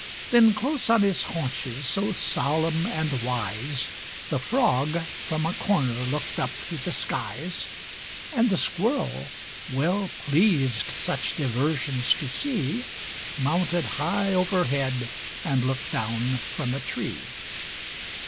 Then close on his haunches, so solemn and wise, The Frog from a corner look'd up to the skies; And the Squirrel, well pleased such diversions to see, Mounted high overhead and look'd down from a tree.